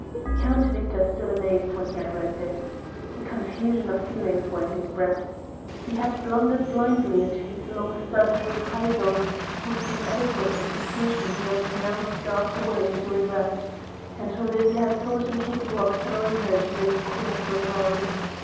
Count Victor stood amazed when he had read this. A confusion of feelings were in his breast. He had blundered blindly into his long studied reprisals whose inadequate execution he was now scarce willing to regret, and Olivia had thought him capable of throwing her to this colossal rogue!